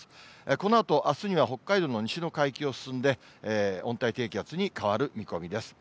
このあとあすには北海道の西の海域を進んで、温帯低気圧に変わる見込みです。